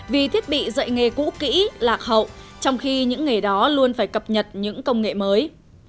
vì thiết bị dạy nghề cũ kỹ lạc hậu trong khi những nghề đó luôn phải cập nhật những công nghệ mới